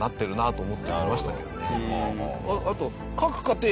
あと。